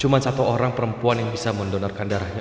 cuma satu orang perempuan yang bisa mendonorkan darahnya